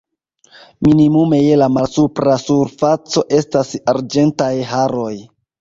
Minimume je la malsupra surfaco estas arĝentaj haroj.